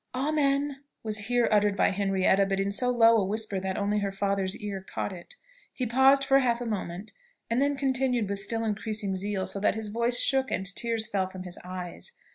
"Amen!" was here uttered by Henrietta, but in so low a whisper that only her father's ear caught it. He paused for half a moment, and then continued with still increasing zeal, so that his voice shook and tears fell from his eyes.